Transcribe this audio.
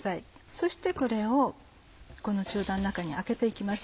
そしてこれをこの中段の中に空けていきます。